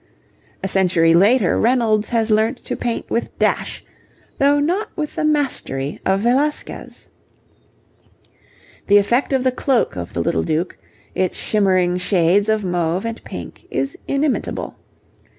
A century later Reynolds has learnt to paint with dash, though not with the mastery of Velasquez. The effect of the cloak of the little Duke, its shimmering shades of mauve and pink, is inimitable.